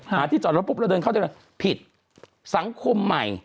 ที่จอดรถปุ๊บเราเดินเข้าได้เลยผิดสังคมใหม่